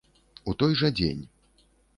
У той жа дзень.